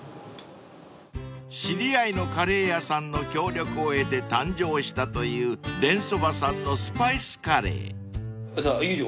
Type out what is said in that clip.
［知り合いのカレー屋さんの協力を得て誕生したという田そばさんのスパイスカレー］